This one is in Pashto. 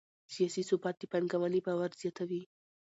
سیاسي ثبات د پانګونې باور زیاتوي